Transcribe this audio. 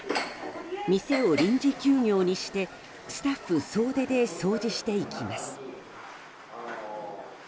店を臨時休業にしてスタッフ総出で掃除していきます。